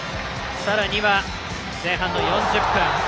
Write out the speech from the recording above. さらには前半４０分。